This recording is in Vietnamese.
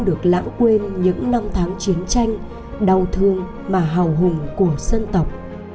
được lãng quên những năm tháng chiến tranh đau thương mà hào hùng của dân tộc